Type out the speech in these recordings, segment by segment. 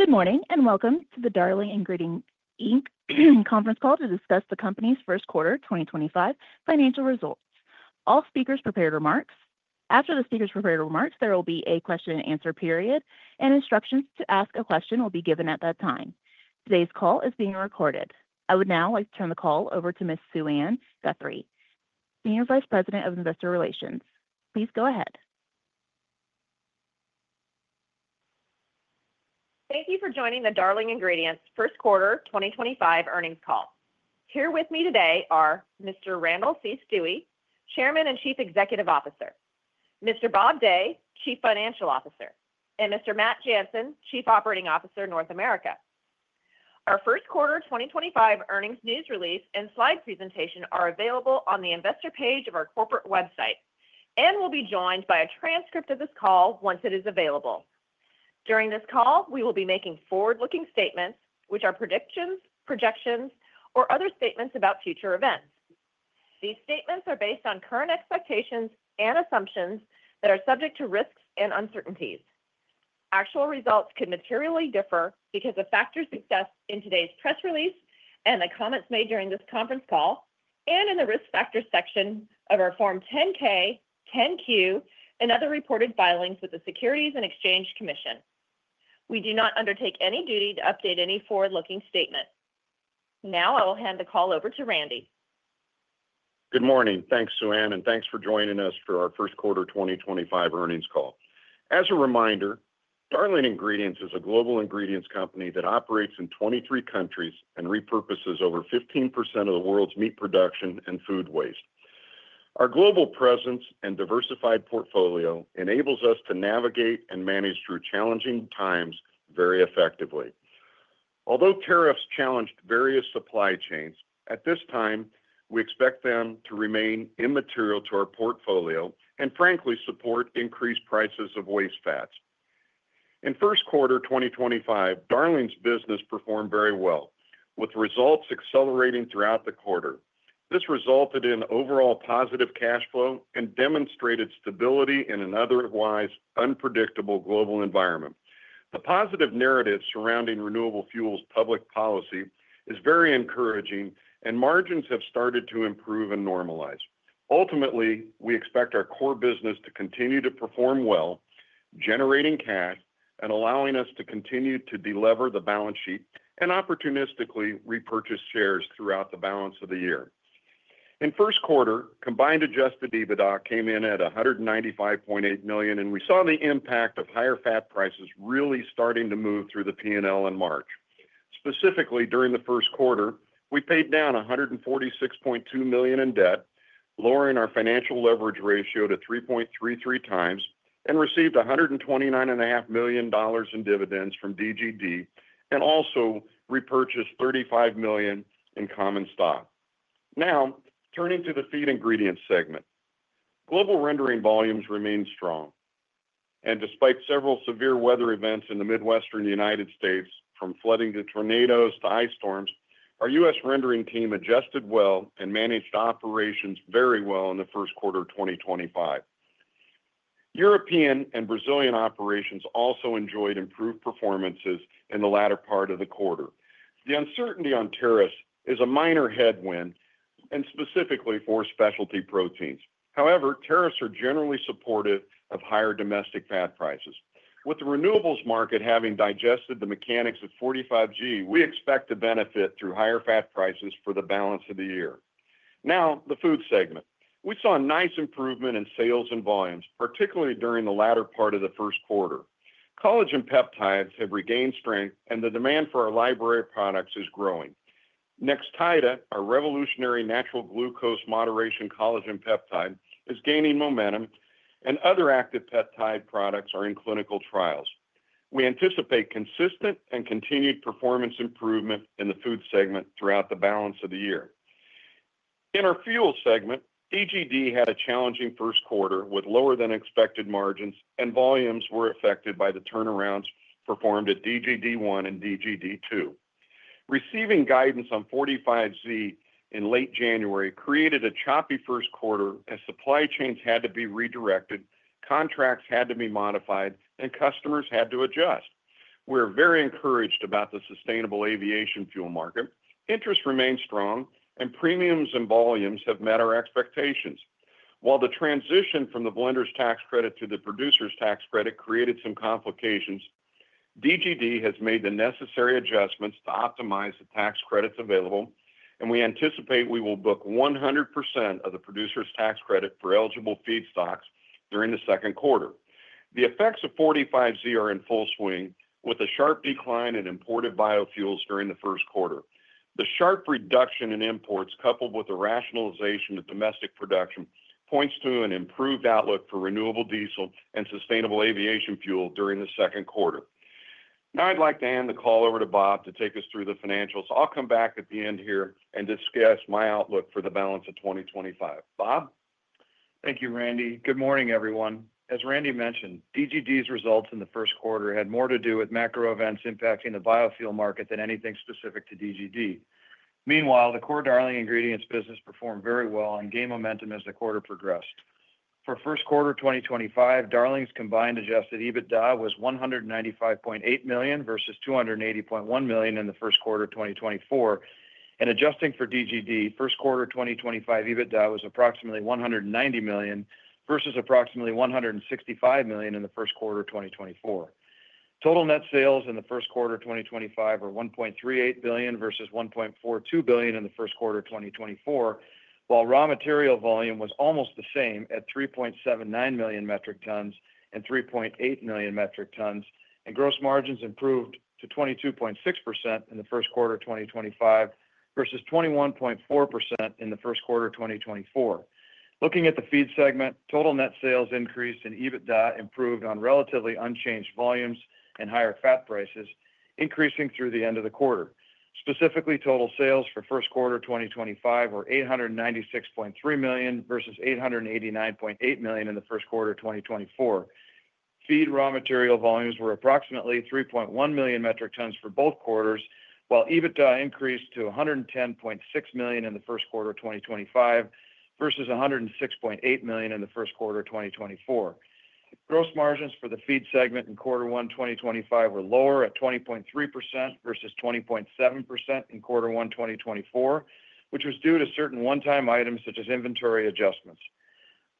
Good morning and welcome to the Darling Ingredients Inc conference call to discuss the company's first quarter 2025 financial results. All speakers prepared remarks. After the speakers prepared remarks, there will be a question-and-answer period, and instructions to ask a question will be given at that time. Today's call is being recorded. I would now like to turn the call over to Ms. Suann Guthrie, Senior Vice President of Investor Relations. Please go ahead. Thank you for joining the Darling Ingredients first quarter 2025 earnings call. Here with me today are Mr. Randall C. Stuewe, Chairman and Chief Executive Officer, Mr. Bob Day, Chief Financial Officer, and Mr. Matt Jansen, Chief Operating Officer, North America. Our first quarter 2025 earnings news release and slide presentation are available on the Investor Page of our corporate website and will be joined by a transcript of this call once it is available. During this call, we will be making forward-looking statements, which are predictions, projections, or other statements about future events. These statements are based on current expectations and assumptions that are subject to risks and uncertainties. Actual results could materially differ because of factors discussed in today's press release and the comments made during this conference call and in the risk factors section of our Form 10-K, 10-Q, and other reported filings with the Securities and Exchange Commission. We do not undertake any duty to update any forward-looking statement. Now I will hand the call over to Randy. Good morning. Thanks, Suann, and thanks for joining us for our first quarter 2025 earnings call. As a reminder, Darling Ingredients is a global ingredients company that operates in 23 countries and repurposes over 15% of the world's meat production and food waste. Our global presence and diversified portfolio enables us to navigate and manage through challenging times very effectively. Although tariffs challenged various supply chains, at this time, we expect them to remain immaterial to our portfolio and, frankly, support increased prices of waste fats. In first quarter 2025, Darling's business performed very well, with results accelerating throughout the quarter. This resulted in overall positive cash flow and demonstrated stability in an otherwise unpredictable global environment. The positive narrative surrounding renewable fuels public policy is very encouraging, and margins have started to improve and normalize. Ultimately, we expect our core business to continue to perform well, generating cash and allowing us to continue to deliver the balance sheet and opportunistically repurchase shares throughout the balance of the year. In first quarter, combined adjusted EBITDA came in at $195.8 million, and we saw the impact of higher fat prices really starting to move through the P&L in March. Specifically, during the first quarter, we paid down $146.2 million in debt, lowering our financial Leverage Ratio to 3.33x, and received $129.5 million in dividends from DGD and also repurchased $35 million in common stock. Now, turning to the feed ingredients segment, global rendering volumes remain strong, and despite several severe weather events in the Midwestern United States, from flooding to tornadoes to ice storms, our U.S. rendering team adjusted well and managed operations very well in the first quarter of 2025. European and Brazilian operations also enjoyed improved performances in the latter part of the quarter. The uncertainty on tariffs is a minor headwind, and specifically for specialty proteins. However, tariffs are generally supportive of higher domestic fat prices. With the renewables market having digested the mechanics of 45G, we expect to benefit through higher fat prices for the balance of the year. Now, the Food Segment. We saw a nice improvement in sales and volumes, particularly during the latter part of the first quarter. Collagen peptides have regained strength, and the demand for our library products is growing. NexTIDA, our revolutionary natural glucose moderation collagen peptide, is gaining momentum, and other active peptide products are in clinical trials. We anticipate consistent and continued performance improvement in the Food Segment throughout the balance of the year. In our Fuel Segment, DGD had a challenging first quarter with lower-than-expected margins, and volumes were affected by the turnarounds performed at DGD1 and DGD2. Receiving guidance on 45Z in late January created a choppy first quarter as supply chains had to be redirected, contracts had to be modified, and customers had to adjust. We are very encouraged about the sustainable aviation fuel market. Interest remains strong, and premiums and volumes have met our expectations. While the transition from the blender's tax credit to the producer's tax credit created some complications, DGD has made the necessary adjustments to optimize the tax credits available, and we anticipate we will book 100% of the producer's tax credit for eligible feed stocks during the second quarter. The effects of 45Z are in full swing, with a sharp decline in imported biofuels during the first quarter. The sharp reduction in imports, coupled with the rationalization of domestic production, points to an improved outlook for renewable diesel and sustainable aviation fuel during the second quarter. Now, I'd like to hand the call over to Bob to take us through the financials. I'll come back at the end here and discuss my outlook for the balance of 2025. Bob? Thank you, Randy. Good morning, everyone. As Randy mentioned, DGD's results in the first quarter had more to do with macro events impacting the biofuel market than anything specific to DGD. Meanwhile, the core Darling Ingredients business performed very well and gained momentum as the quarter progressed. For first quarter 2025, Darling's combined adjusted EBITDA was $195.8 million versus $280.1 million in the first quarter 2024. Adjusting for DGD, first quarter 2025 EBITDA was approximately $190 million versus approximately $165 million in the first quarter 2024. Total net sales in the first quarter 2025 were $1.38 billion versus $1.42 billion in the first quarter 2024, while raw material volume was almost the same at 3.79 million metric tons and 3.8 million metric tons, and gross margins improved to 22.6% in the first quarter 2025 versus 21.4% in the first quarter 2024. Looking at the Feed Segment, total net sales increased and EBITDA improved on relatively unchanged volumes and higher fat prices, increasing through the end of the quarter. Specifically, total sales for first quarter 2025 were $896.3 million versus $889.8 million in the first quarter 2024. Feed raw material volumes were approximately 3.1 million metric tons for both quarters, while EBITDA increased to $110.6 million in the first quarter 2025 versus $106.8 million in the first quarter 2024. Gross margins for the Feed Segment in quarter one 2025 were lower at 20.3% versus 20.7% in quarter one 2024, which was due to certain one-time items such as inventory adjustments.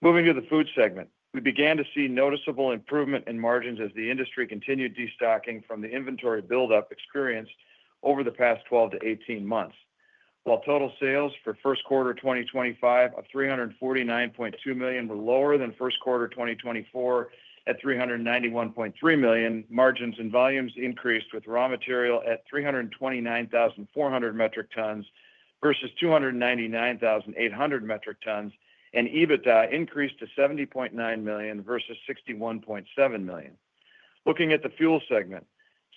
Moving to the Food Segment, we began to see noticeable improvement in margins as the industry continued destocking from the inventory buildup experienced over the past 12 to 18 months. While total sales for first quarter 2025 of $349.2 million were lower than first quarter 2024 at $391.3 million, margins and volumes increased with raw material at 329,400 metric tons versus 299,800 metric tons, and EBITDA increased to $70.9 million versus $61.7 million. Looking at the Fuel Segment,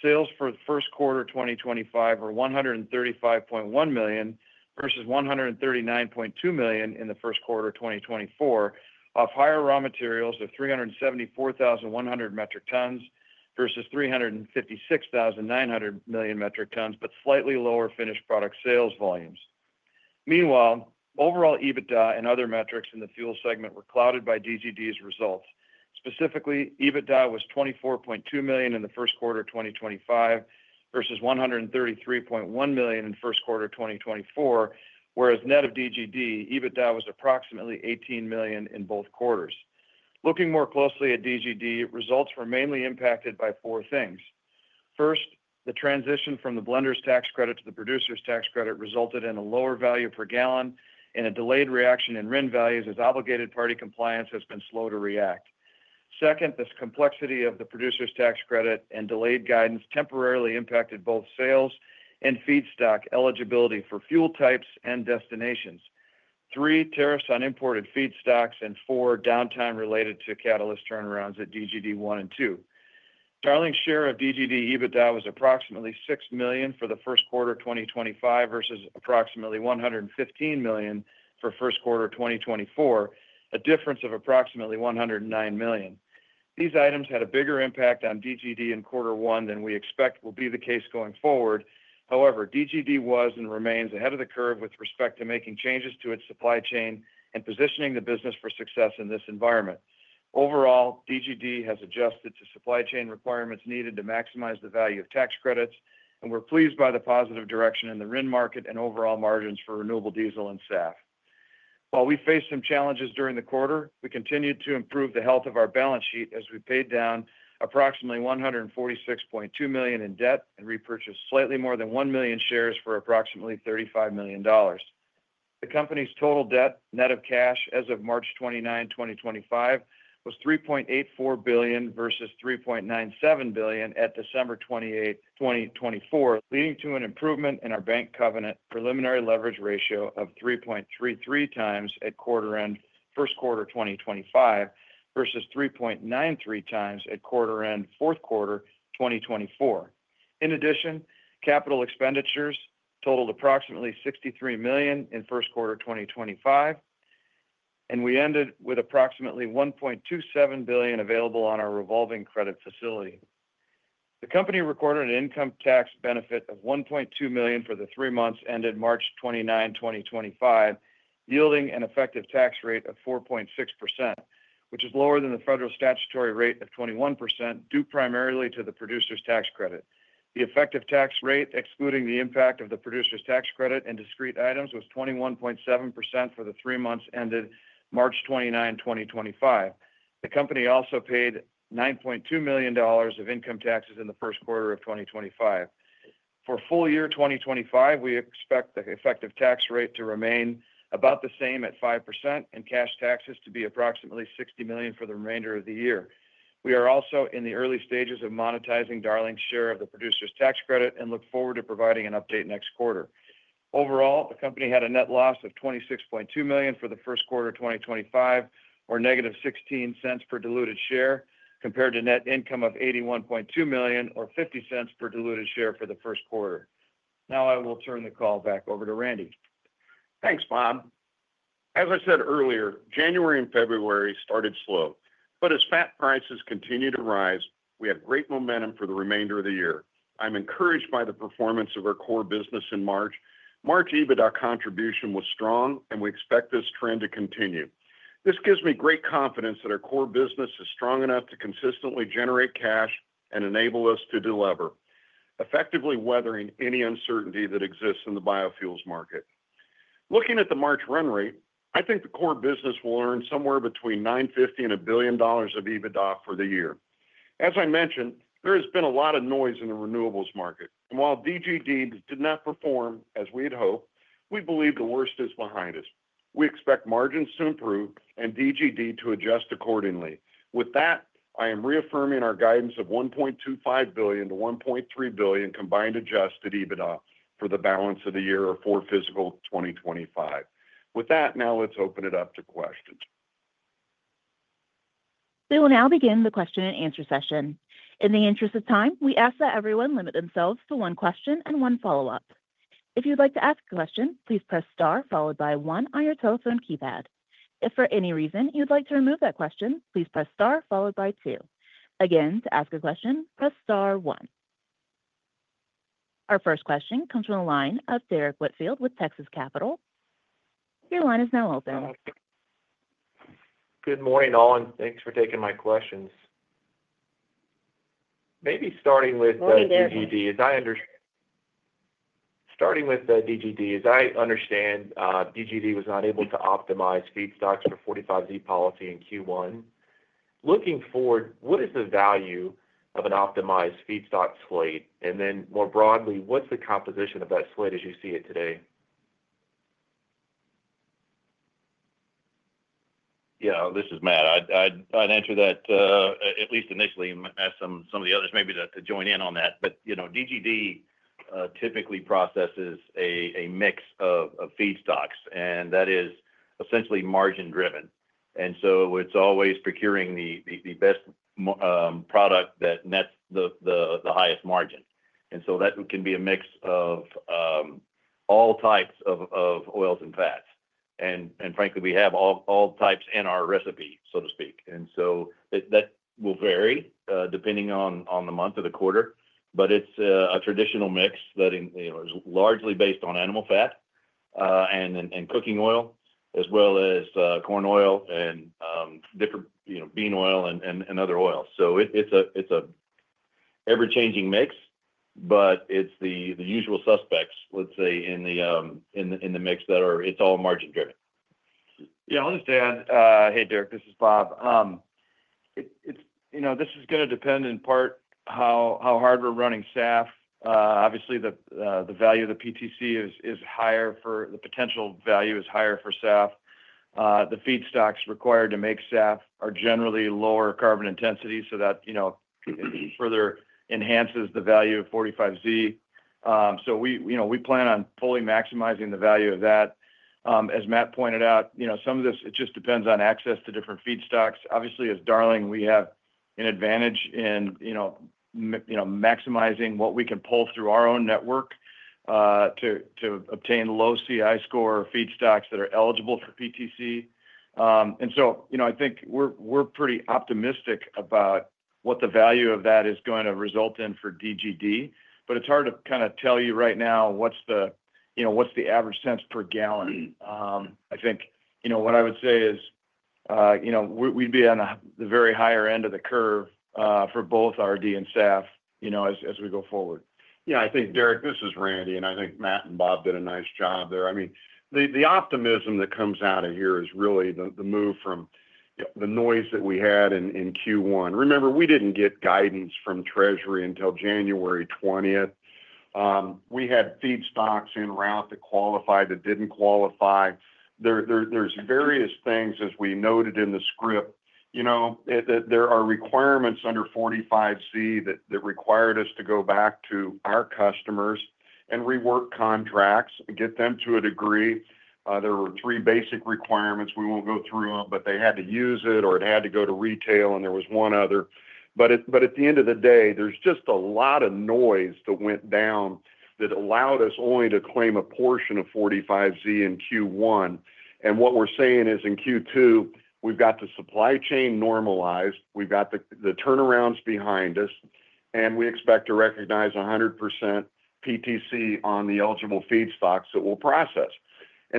sales for the first quarter 2025 were $135.1 million versus $139.2 million in the first quarter 2024, off higher raw materials of 374,100 metric tons versus 356,900 metric tons, but slightly lower finished product sales volumes. Meanwhile, overall EBITDA and other metrics in the Fuel Segment were clouded by DGD's results. Specifically, EBITDA was $24.2 million in the first quarter 2025 versus $133.1 million in first quarter 2024, whereas net of DGD, EBITDA was approximately $18 million in both quarters. Looking more closely at DGD, results were mainly impacted by four things. First, the transition from the blender's tax credit to the producer's tax credit resulted in a lower value per gallon and a delayed reaction in RIN values as obligated party compliance has been slow to react. Second, the complexity of the producer's tax credit and delayed guidance temporarily impacted both sales and feed stock eligibility for fuel types and destinations. Three, tariffs on imported feed stocks, and four, downtime related to catalyst turnarounds at DGD1 and 2. Darling's share of DGD EBITDA was approximately $6 million for the first quarter 2025 versus approximately $115 million for first quarter 2024, a difference of approximately $109 million. These items had a bigger impact on DGD in quarter one than we expect will be the case going forward. However, DGD was and remains ahead of the curve with respect to making changes to its supply chain and positioning the business for success in this environment. Overall, DGD has adjusted to supply chain requirements needed to maximize the value of tax credits, and we're pleased by the positive direction in the RIN market and overall margins for renewable diesel and SAF. While we faced some challenges during the quarter, we continued to improve the health of our balance sheet as we paid down approximately $146.2 million in debt and repurchased slightly more than 1 million shares for approximately $35 million. The company's total debt net of cash as of March 29, 2025, was $3.84 billion versus $3.97 billion at December 28, 2024, leading to an improvement in our bank covenant preliminary Leverage Ratio of 3.33 times at quarter end first quarter 2025 versus 3.93 times at quarter end fourth quarter 2024. In addition, capital expenditures totaled approximately $63 million in first quarter 2025, and we ended with approximately $1.27 billion available on our Revolving Credit Facility. The company recorded an income tax benefit of $1.2 million for the three months ended March 29, 2025, yielding an effective tax rate of 4.6%, which is lower than the federal statutory rate of 21% due primarily to the producer's tax credit. The effective tax rate, excluding the impact of the producer's tax credit and discrete items, was 21.7% for the three months ended March 29, 2025. The company also paid $9.2 million of income taxes in the first quarter of 2025. For full year 2025, we expect the effective tax rate to remain about the same at 5% and cash taxes to be approximately $60 million for the remainder of the year. We are also in the early stages of monetizing Darling's share of the producer's tax credit and look forward to providing an update next quarter. Overall, the company had a net loss of $26.2 million for the first quarter 2025, or negative $0.16 per Diluted Share, compared to net income of $81.2 million, or $0.50 per Diluted Share for the first quarter. Now, I will turn the call back over to Randy. Thanks, Bob. As I said earlier, January and February started slow, but as fat prices continue to rise, we have great momentum for the remainder of the year. I'm encouraged by the performance of our core business in March. March EBITDA contribution was strong, and we expect this trend to continue. This gives me great confidence that our core business is strong enough to consistently generate cash and enable us to deliver, effectively weathering any uncertainty that exists in the biofuels market. Looking at the March run rate, I think the core business will earn somewhere between $950 million and $1 billion of EBITDA for the year. As I mentioned, there has been a lot of noise in the renewables market, and while DGD did not perform as we had hoped, we believe the worst is behind us. We expect margins to improve and DGD to adjust accordingly. With that, I am reaffirming our guidance of $1.25 billion-$1.3 billion combined adjusted EBITDA for the balance of the year of fiscal 2025. With that, now let's open it up to questions. We will now begin the question and answer session. In the interest of time, we ask that everyone limit themselves to one question and one follow-up. If you'd like to ask a question, please press star followed by one on your telephone keypad. If for any reason you'd like to remove that question, please press star followed by two. Again, to ask a question, press star one. Our first question comes from the line of Derrick Whitfield with Texas Capital. Your line is now open. Good morning, all, and thanks for taking my questions. Maybe starting with DGD, as I understand. Starting with DGD, as I understand, DGD was not able to optimize feed stocks for 45Z policy in Q1. Looking forward, what is the value of an optimized feed stock slate? And then more broadly, what's the composition of that slate as you see it today? Yeah, this is Matt. I'd answer that, at least initially, as some of the others maybe to join in on that. DGD typically processes a mix of feed stocks, and that is essentially margin-driven. It is always procuring the best product that nets the highest margin. That can be a mix of all types of oils and fats. Frankly, we have all types in our recipe, so to speak. That will vary depending on the month or the quarter, but it's a traditional mix that is largely based on animal fat and cooking oil, as well as corn oil and different bean oil and other oils. It is an ever-changing mix, but it's the usual suspects, let's say, in the mix that are it's all margin-driven. Yeah, I'll just add, hey, Derrick, this is Bob. This is going to depend in part how hard we're running SAF. Obviously, the value of the PTC is higher for the potential value is higher for SAF. The feed stocks required to make SAF are generally lower carbon intensity, so that further enhances the value of 45Z. We plan on fully maximizing the value of that. As Matt pointed out, some of this, it just depends on access to different feed stocks. Obviously, as Darling, we have an advantage in maximizing what we can pull through our own network to obtain low CI score feed stocks that are eligible for PTC. I think we're pretty optimistic about what the value of that is going to result in for DGD, but it's hard to kind of tell you right now what's the average cents per gallon. I think what I would say is we'd be on the very higher end of the curve for both RD and SAF as we go forward. Yeah, I think, Derrick, this is Randy, and I think Matt and Bob did a nice job there. I mean, the optimism that comes out of here is really the move from the noise that we had in Q1. Remember, we did not get guidance from Treasury until January 20. We had feed stocks en route that qualified, that did not qualify. There are various things, as we noted in the script, that there are requirements under 45Z that required us to go back to our customers and rework contracts and get them to a degree. There were three basic requirements. We will not go through them, but they had to use it or it had to go to retail, and there was one other. At the end of the day, there is just a lot of noise that went down that allowed us only to claim a portion of 45Z in Q1. What we're saying is in Q2, we've got the supply chain normalized. We've got the turnarounds behind us, and we expect to recognize 100% PTC on the eligible feed stocks that we'll process.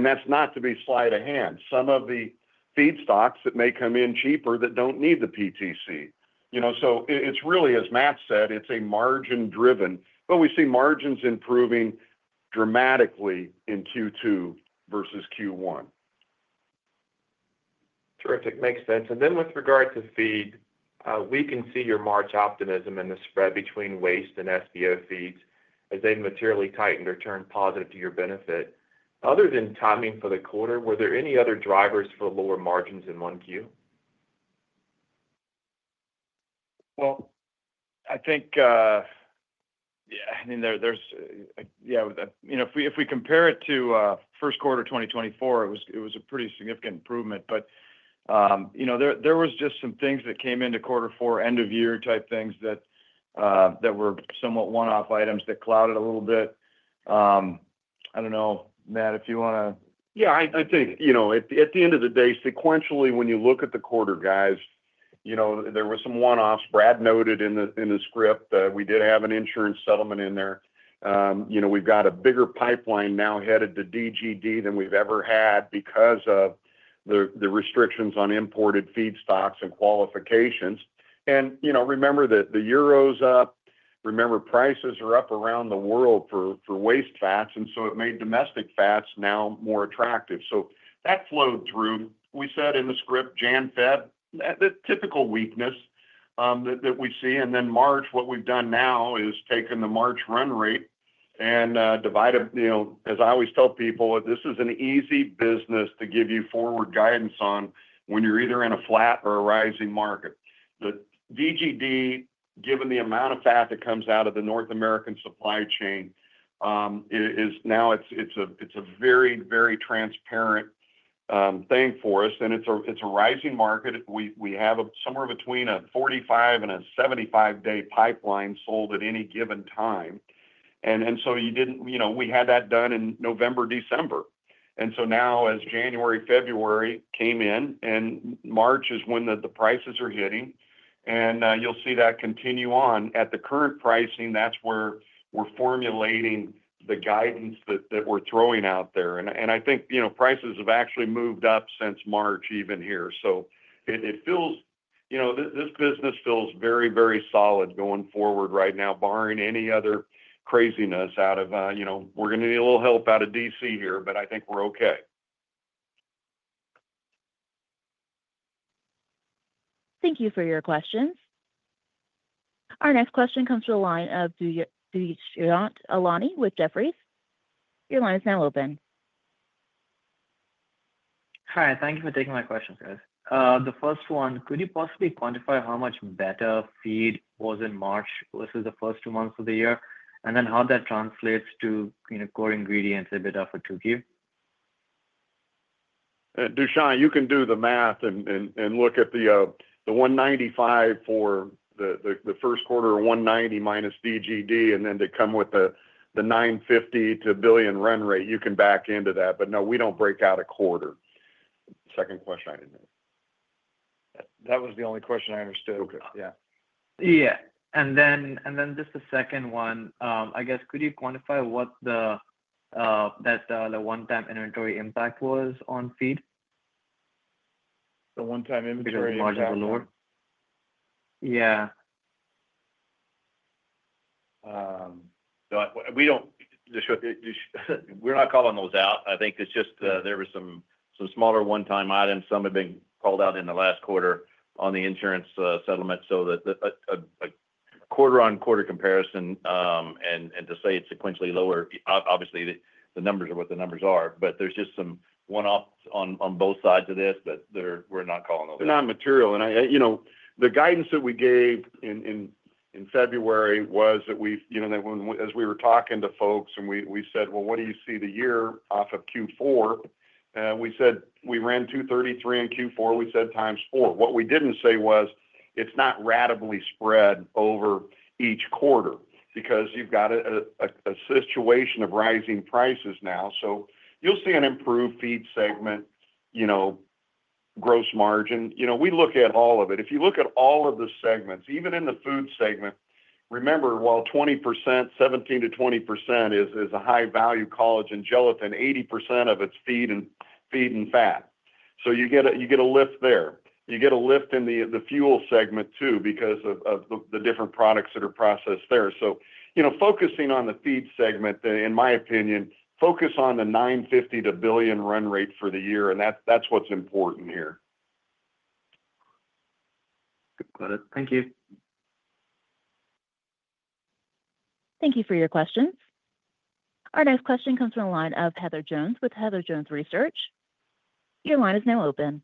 That's not to be slight of hand. Some of the feed stocks that may come in cheaper do not need the PTC. It is really, as Matt said, margin-driven, but we see margins improving dramatically in Q2 versus Q1. Terrific. Makes sense. With regard to feed, we can see your March optimism in the spread between waste and SBO feeds as they materially tightened or turned positive to your benefit. Other than timing for the quarter, were there any other drivers for lower margins in 1Q? I think, yeah, if we compare it to first quarter 2024, it was a pretty significant improvement. There were just some things that came into quarter four, end-of-year type things that were somewhat one-off items that clouded a little bit. I don't know, Matt, if you want to. Yeah, I think at the end of the day, sequentially, when you look at the quarter, guys, there were some one-offs. Brad noted in the script that we did have an insurance settlement in there. We've got a bigger pipeline now headed to DGD than we've ever had because of the restrictions on imported feed stocks and qualifications. Remember that the euro's up. Remember, prices are up around the world for waste fats, and it made domestic fats now more attractive. That flowed through. We said in the script, January, February, the typical weakness that we see. March, what we've done now is taken the March run rate and divided, as I always tell people, this is an easy business to give you forward guidance on when you're either in a flat or a rising market. DGD, given the amount of fat that comes out of the North American supply chain, now it's a very, very transparent thing for us. It's a rising market. We have somewhere between a 45 and a 75 day pipeline sold at any given time. We had that done in November, December. Now, as January, February came in, March is when the prices are hitting, and you'll see that continue on. At the current pricing, that's where we're formulating the guidance that we're throwing out there. I think prices have actually moved up since March, even here. This business feels very, very solid going forward right now, barring any other craziness out of, we're going to need a little help out of D.C. here, but I think we're okay. Thank you for your questions. Our next question comes from the line of Dushyant Ailani with Jefferies. Your line is now open. Hi, thank you for taking my questions, guys. The first one, could you possibly quantify how much better feed was in March versus the first two months of the year, and then how that translates to core ingredients EBITDA for 2Q? Dushaun, you can do the math and look at the 195 for the first quarter, 190 minus DGD, and then to come with the $950-$1 billion run rate, you can back into that. No, we don't break out a quarter. Second question I didn't hear. That was the only question I understood. Yeah. Yeah. Just the second one, I guess, could you quantify what the one-time inventory impact was on feed? The one-time inventory impact. Margins are lower. Yeah. We're not calling those out. I think it's just there were some smaller one-time items. Some have been called out in the last quarter on the insurance settlement. A quarter-on-quarter comparison and to say it's sequentially lower, obviously, the numbers are what the numbers are, but there's just some one-offs on both sides of this, but we're not calling those out. They're not material. The guidance that we gave in February was that as we were talking to folks and we said, "Well, what do you see the year off of Q4?" We said we ran 233 in Q4, we said times four. What we didn't say was it's not ratably spread over each quarter because you've got a situation of rising prices now. You'll see an improved Feed Segment, gross margin. We look at all of it. If you look at all of the segments, even in the Food Segment, remember, while 17%-20% is a high-value collagen gelatin, 80% of it's feed and fat. You get a lift there. You get a lift in the Fuel Segment too because of the different products that are processed there. Focusing on the Feed Segment, in my opinion, focus on the $950 million to $1 billion run rate for the year, and that's what's important here. Good point. Thank you. Thank you for your questions. Our next question comes from the line of Heather Jones with Heather Jones Research. Your line is now open.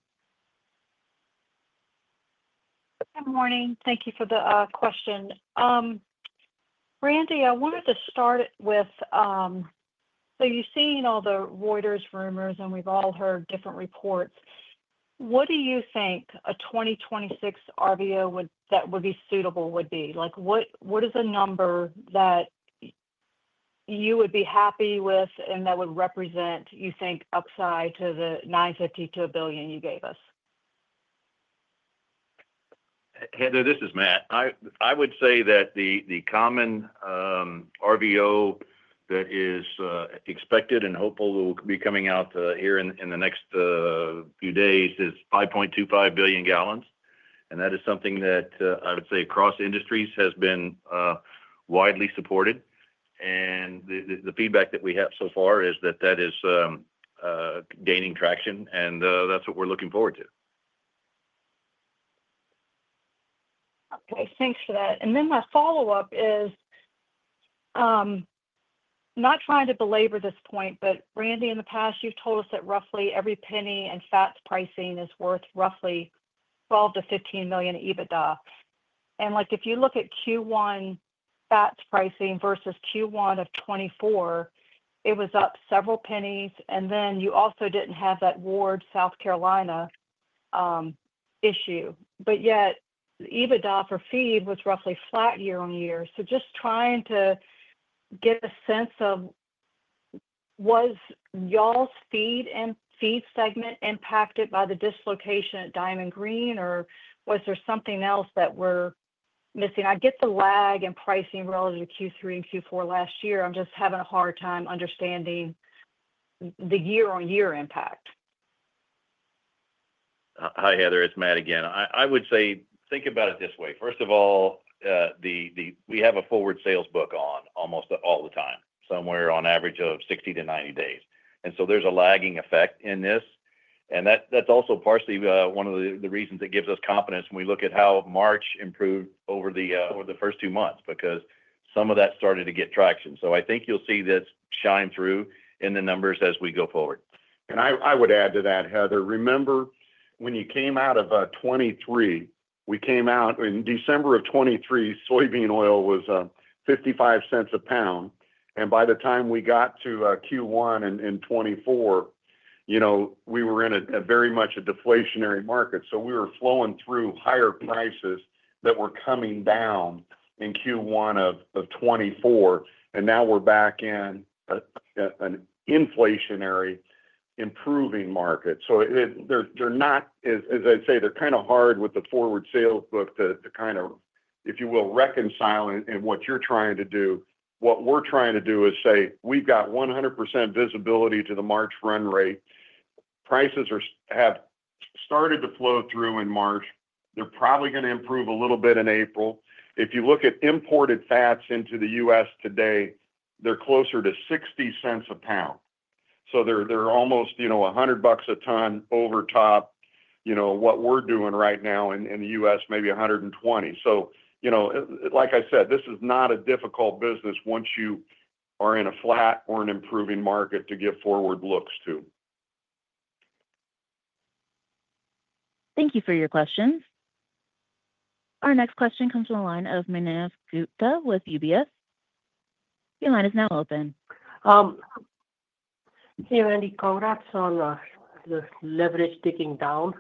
Good morning. Thank you for the question. Randy, I wanted to start with, so you've seen all the Reuters rumors, and we've all heard different reports. What do you think a 2026 RVO that would be suitable would be? What is a number that you would be happy with and that would represent, you think, upside to the 950 to a billion you gave us? Heather, this is Matt. I would say that the common RVO that is expected and hopeful will be coming out here in the next few days is 5.25 billion gallons. That is something that I would say across industries has been widely supported. The feedback that we have so far is that that is gaining traction, and that's what we're looking forward to. Okay. Thanks for that. My follow-up is not trying to belabor this point, but Randy, in the past, you've told us that roughly every penny in fat pricing is worth roughly $12 million to $15 million EBITDA. If you look at Q1 fat pricing versus Q1 of 2024, it was up several pennies, and you also did not have that Ward, South Carolina issue. Yet, EBITDA for feed was roughly flat year-on-year. Just trying to get a sense of, was y'all's Feed Segment impacted by the dislocation at Diamond Green, or was there something else that we're missing? I get the lag in pricing relative to Q3 and Q4 last year. I'm just having a hard time understanding the year-on-year impact. Hi, Heather. It's Matt again. I would say think about it this way. First of all, we have a forward sales book on almost all the time, somewhere on average of 60-90 days. There is a lagging effect in this. That is also partially one of the reasons it gives us confidence when we look at how March improved over the first two months because some of that started to get traction. I think you'll see this shine through in the numbers as we go forward. I would add to that, Heather. Remember, when you came out of 2023, we came out in December of 2023, soybean oil was $0.55 a pound. By the time we got to Q1 in 2024, we were in very much a deflationary market. We were flowing through higher prices that were coming down in Q1 of 2024. Now we are back in an inflationary improving market. They are not, as I say, they are kind of hard with the forward sales book to, if you will, reconcile in what you are trying to do. What we are trying to do is say, "We have got 100% visibility to the March run rate. Prices have started to flow through in March. They are probably going to improve a little bit in April." If you look at imported fats into the U.S. today, they are closer to $0.60 a pound. They're almost $100 a ton over top what we're doing right now in the U.S., maybe $120. Like I said, this is not a difficult business once you are in a flat or an improving market to give forward looks to. Thank you for your questions. Our next question comes from the line of Manav Gupta with UBS. Your line is now open. Hey, Randy, congrats on the leverage ticking down.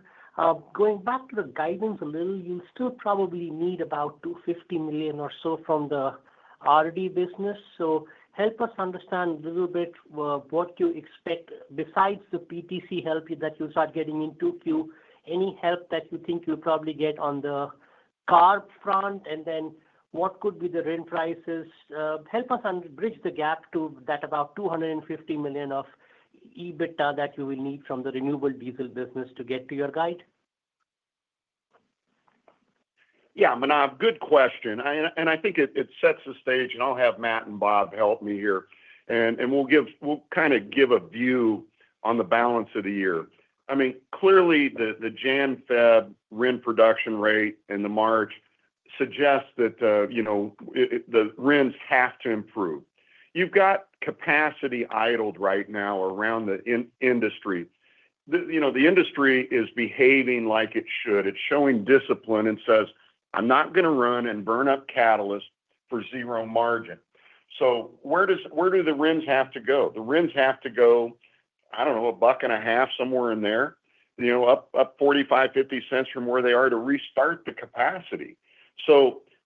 Going back to the guidance a little, you still probably need about $250 million or so from the RD business. Help us understand a little bit what you expect besides the PTC help that you start getting in 2Q, any help that you think you'll probably get on the CARB front, and then what could be the RIN prices. Help us bridge the gap to that about $250 million of EBITDA that you will need from the renewable diesel business to get to your guide. Yeah, good question. I think it sets the stage, and I'll have Matt and Bob help me here. We'll kind of give a view on the balance of the year. I mean, clearly, the January-February rent production rate in the March suggests that the rents have to improve. You've got capacity idled right now around the industry. The industry is behaving like it should. It's showing discipline and says, "I'm not going to run and burn up catalyst for zero margin." Where do the rents have to go? The rents have to go, I don't know, a buck and a half, somewhere in there, up $0.45-$0.50 from where they are to restart the capacity.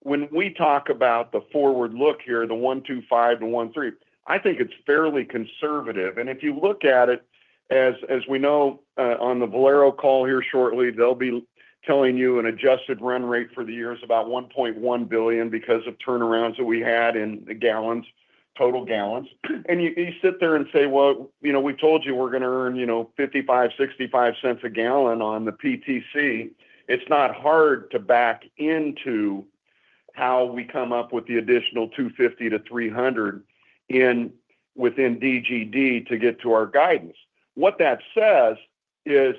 When we talk about the forward look here, the $1.25-$1.30, I think it's fairly conservative. If you look at it, as we know on the Valero call here shortly, they'll be telling you an adjusted run rate for the year is about $1.1 billion because of turnarounds that we had in the gallons, total gallons. You sit there and say, "We've told you we're going to earn $0.55-$0.65 a gallon on the PTC." It's not hard to back into how we come up with the additional $250 million-$300 million within DGD to get to our guidance. What that says is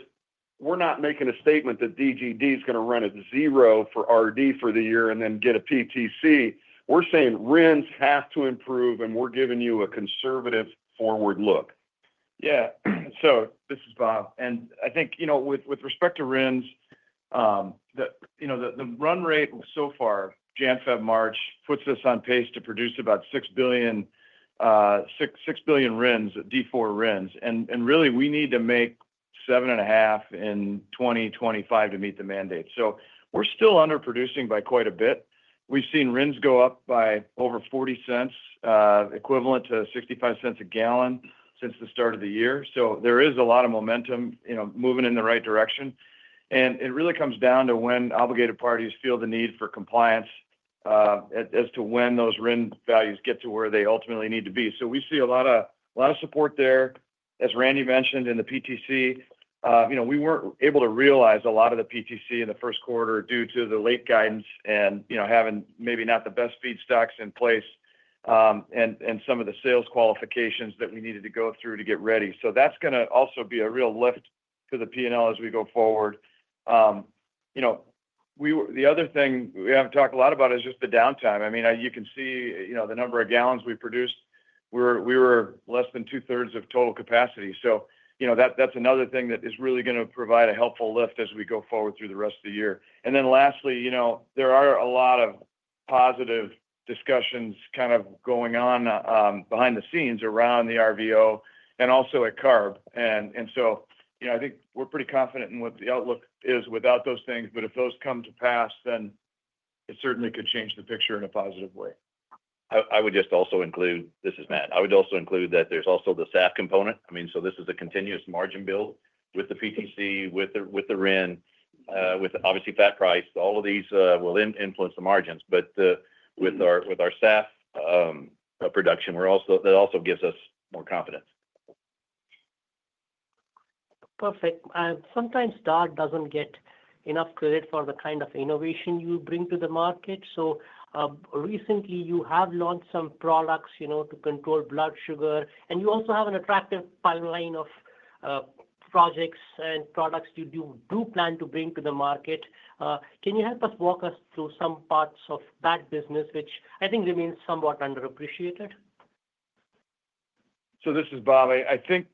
we're not making a statement that DGD is going to run at zero for RD for the year and then get a PTC. We're saying rents have to improve, and we're giving you a conservative forward look. Yeah. This is Bob. I think with respect to RINs, the run rate so far, January, February, March puts us on pace to produce about 6 billion RINs at D4 RINs. We need to make 7.5 billion in 2025 to meet the mandate. We are still underproducing by quite a bit. We have seen RINs go up by over $0.40, equivalent to $0.65 a gallon since the start of the year. There is a lot of momentum moving in the right direction. It really comes down to when obligated parties feel the need for compliance as to when those RIN values get to where they ultimately need to be. We see a lot of support there, as Randy mentioned, in the PTC. We were not able to realize a lot of the PTC in the first quarter due to the late guidance and having maybe not the best feed stocks in place and some of the sales qualifications that we needed to go through to get ready. That is going to also be a real lift to the P&L as we go forward. The other thing we have not talked a lot about is just the downtime. I mean, you can see the number of gallons we produced. We were less than two-thirds of total capacity. That is another thing that is really going to provide a helpful lift as we go forward through the rest of the year. Lastly, there are a lot of positive discussions kind of going on behind the scenes around the RVO and also at CARB. I think we're pretty confident in what the outlook is without those things. If those come to pass, then it certainly could change the picture in a positive way. I would just also include this is Matt. I would also include that there is also the SAF component. I mean, this is a continuous margin build with the PTC, with the RIN, with obviously fat price. All of these will influence the margins. With our SAF production, that also gives us more confidence. Perfect. Sometimes DAR doesn't get enough credit for the kind of innovation you bring to the market. Recently, you have launched some products to control blood sugar, and you also have an attractive pipeline of projects and products you do plan to bring to the market. Can you help us walk us through some parts of that business, which I think remains somewhat underappreciated? This is Bob. I think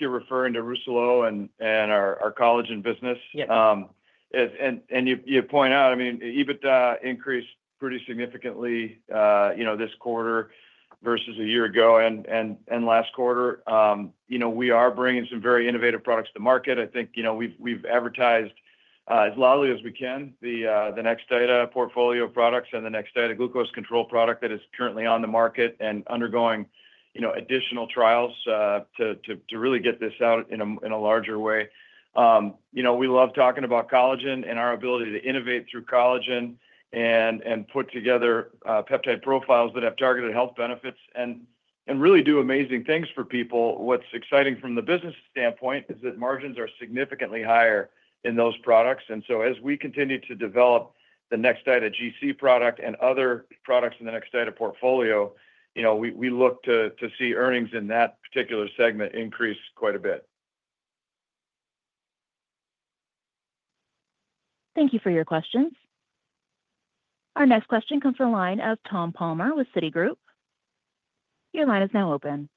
you're referring to Rousselot and our collagen business. You point out, I mean, EBITDA increased pretty significantly this quarter versus a year ago and last quarter. We are bringing some very innovative products to market. I think we've advertised as loudly as we can the NexTIDA portfolio of products and the NexTIDA glucose control product that is currently on the market and undergoing additional trials to really get this out in a larger way. We love talking about collagen and our ability to innovate through collagen and put together peptide profiles that have targeted health benefits and really do amazing things for people. What's exciting from the business standpoint is that margins are significantly higher in those products. As we continue to develop the NexTIDA GC product and other products in the NexTIDA portfolio, we look to see earnings in that particular segment increase quite a bit. Thank you for your questions. Our next question comes from the line of Tom Palmer with Citigroup. Your line is now open.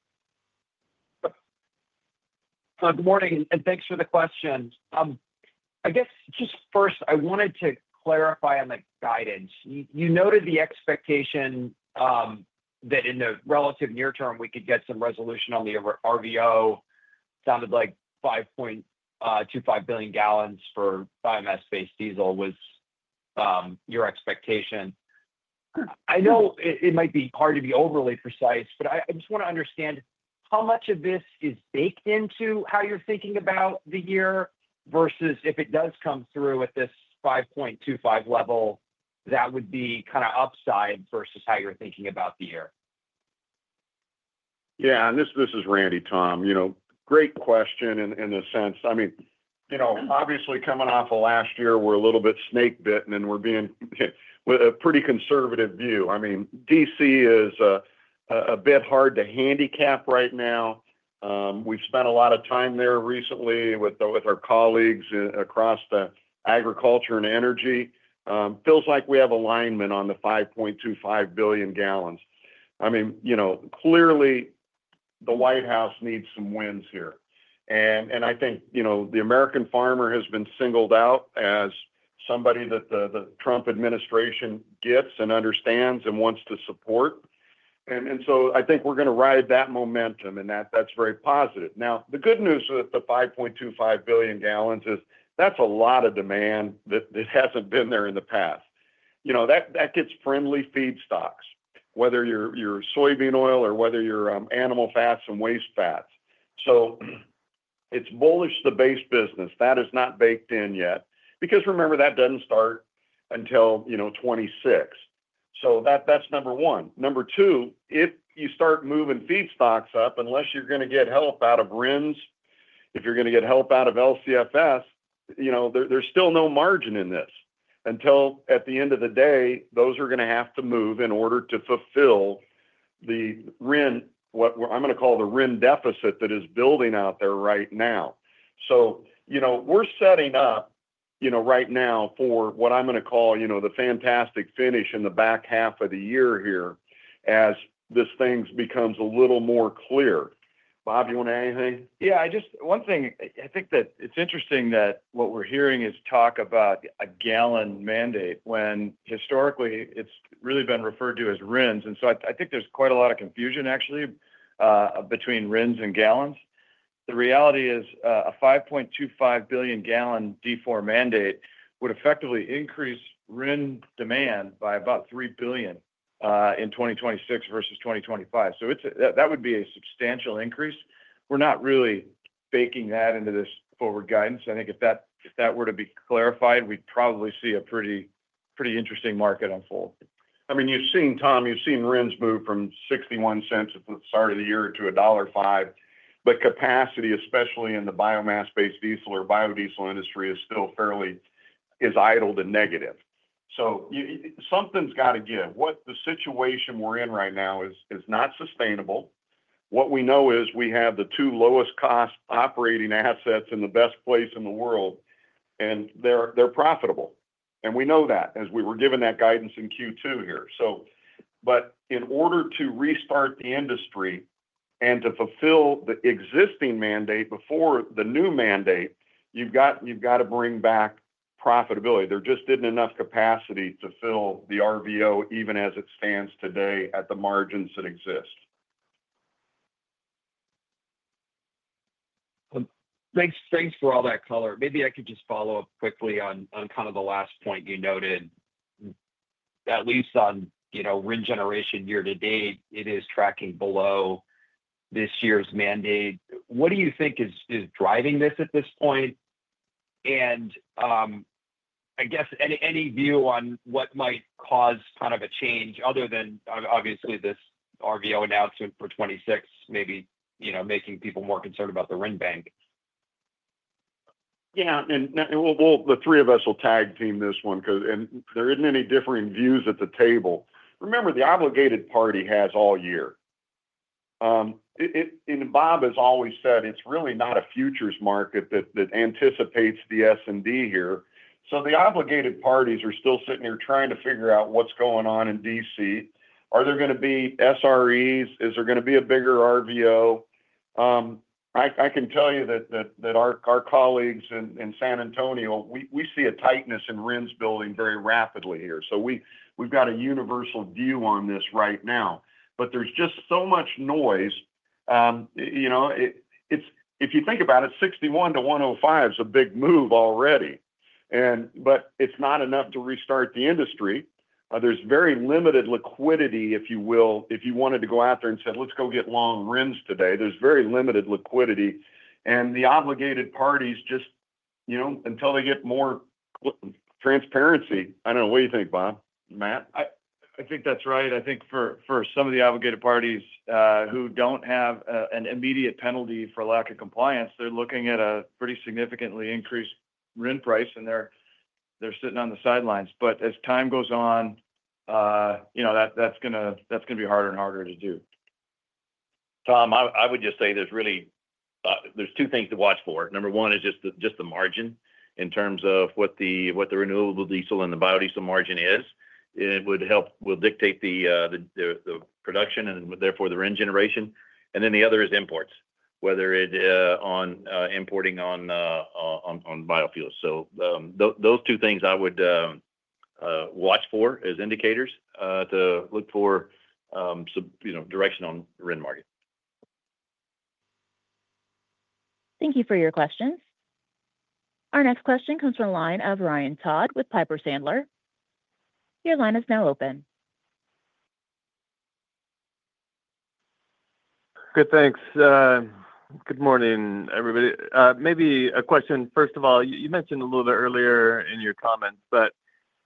Good morning, and thanks for the question. I guess just first, I wanted to clarify on the guidance. You noted the expectation that in the relative near term, we could get some resolution on the RVO. Sounded like 5.25 billion gallons for biomass-based diesel was your expectation. I know it might be hard to be overly precise, but I just want to understand how much of this is baked into how you're thinking about the year versus if it does come through at this 5.25 level, that would be kind of upside versus how you're thinking about the year. Yeah. This is Randy, Tom. Great question in the sense, I mean, obviously coming off of last year, we're a little bit snake-bitten and we're being with a pretty conservative view. I mean, D.C. is a bit hard to handicap right now. We've spent a lot of time there recently with our colleagues across the agriculture and energy. Feels like we have alignment on the 5.25 billion gallons. I mean, clearly, the White House needs some wins here. I think the American farmer has been singled out as somebody that the Trump administration gets and understands and wants to support. I think we're going to ride that momentum, and that's very positive. Now, the good news with the 5.25 billion gallons is that's a lot of demand that hasn't been there in the past. That gets friendly feed stocks, whether you're soybean oil or whether you're animal fats and waste fats. It is bullish, the base business. That is not baked in yet. Because remember, that does not start until 2026. That is number one. Number two, if you start moving feed stocks up, unless you're going to get help out of RINs, if you're going to get help out of LCFS, there is still no margin in this. Until at the end of the day, those are going to have to move in order to fulfill the RIN, what I am going to call the RIN deficit that is building out there right now. We are setting up right now for what I am going to call the fantastic finish in the back half of the year here as this thing becomes a little more clear. Bob, you want to add anything? Yeah. One thing, I think that it's interesting that what we're hearing is talk about a gallon mandate when historically it's really been referred to as RINs. I think there's quite a lot of confusion actually between RINs and gallons. The reality is a 5.25 billion gallon D4 mandate would effectively increase RIN demand by about 3 billion in 2026 versus 2025. That would be a substantial increase. We're not really baking that into this forward guidance. I think if that were to be clarified, we'd probably see a pretty interesting market unfold. I mean, you've seen, Tom, you've seen RINs move from $0.61 at the start of the year to $1.05. Capacity, especially in the biomass-based diesel or biodiesel industry, is still fairly idled and negative. Something's got to give. The situation we're in right now is not sustainable. What we know is we have the two lowest cost operating assets in the best place in the world, and they're profitable. We know that as we were given that guidance in Q2 here. In order to restart the industry and to fulfill the existing mandate before the new mandate, you've got to bring back profitability. There just isn't enough capacity to fill the RVO even as it stands today at the margins that exist. Thanks for all that, Color. Maybe I could just follow up quickly on kind of the last point you noted. At least on RIN generation year to date, it is tracking below this year's mandate. What do you think is driving this at this point? I guess any view on what might cause kind of a change other than obviously this RVO announcement for 2026, maybe making people more concerned about the RIN bank? Yeah. The three of us will tag team this one because there isn't any differing views at the table. Remember, the obligated party has all year. Bob has always said it's really not a futures market that anticipates the S&D here. The obligated parties are still sitting here trying to figure out what's going on in D.C. Are there going to be SREs? Is there going to be a bigger RVO? I can tell you that our colleagues in San Antonio, we see a tightness in RINs building very rapidly here. We have a universal view on this right now. There is just so much noise. If you think about it, 61-105 is a big move already. It's not enough to restart the industry. There is very limited liquidity, if you will. If you wanted to go out there and said, "Let's go get long RINs today," there's very limited liquidity. And the obligated parties just until they get more transparency. I don't know. What do you think, Bob? Matt? I think that's right. I think for some of the obligated parties who don't have an immediate penalty for lack of compliance, they're looking at a pretty significantly increased RIN price, and they're sitting on the sidelines. As time goes on, that's going to be harder and harder to do. Tom, I would just say there's two things to watch for. Number one is just the margin in terms of what the renewable diesel and the biodiesel margin is. It would help will dictate the production and therefore the RIN generation. The other is imports, whether it is on importing on biofuels. Those two things I would watch for as indicators to look for some direction on RIN market. Thank you for your questions. Our next question comes from the line of Ryan Todd with Piper Sandler. Your line is now open. Good. Thanks. Good morning, everybody. Maybe a question. First of all, you mentioned a little bit earlier in your comments, but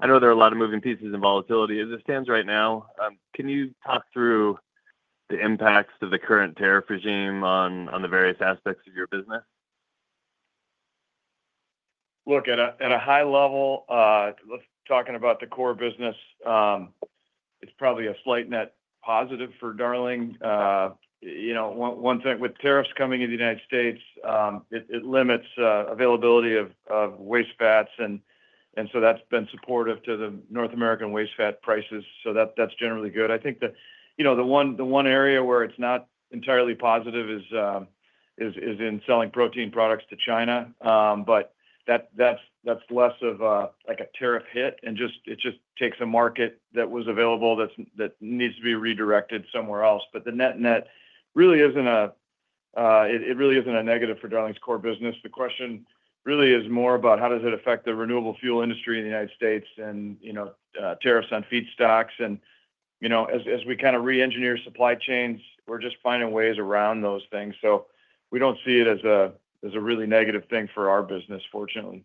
I know there are a lot of moving pieces and volatility. As it stands right now, can you talk through the impacts of the current tariff regime on the various aspects of your business? Look, at a high level, talking about the core business, it's probably a slight net positive for Darling. One thing with tariffs coming in the United States, it limits availability of waste fats. That has been supportive to the North American waste fat prices. That's generally good. I think the one area where it's not entirely positive is in selling protein products to China. That's less of a tariff hit. It just takes a market that was available that needs to be redirected somewhere else. The net-net really isn't a negative for Darling's core business. The question really is more about how does it affect the renewable fuel industry in the United States and tariffs on feed stocks. As we kind of re-engineer supply chains, we're just finding ways around those things. We do not see it as a really negative thing for our business, fortunately.